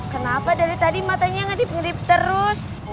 kenapa dari tadi matanya ngedip ngirip terus